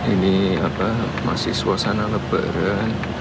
ini apa masih suasana lebaran